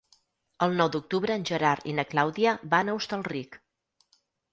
El nou d'octubre en Gerard i na Clàudia van a Hostalric.